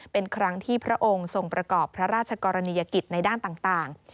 เป็นครั้งที่พระองค์ทรงประกอบพระราชกรณียกิจในด้านต่าง